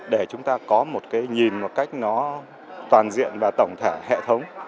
để chúng ta có một nhìn toàn diện và tổng thể hệ thống